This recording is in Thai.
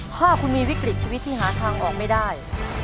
ถ้าคุณมีวิกฤตชีวิตที่หาทางออกไม่ได้